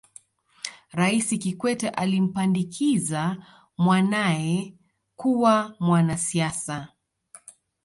raisi kikwete alimpandikiza mwanae kuwa mwanasiasa